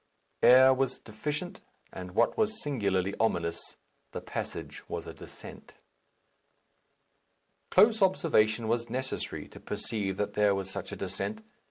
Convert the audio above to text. Air was deficient, and, what was singularly ominous, the passage was a descent. Close observation was necessary to perceive that there was such a descent.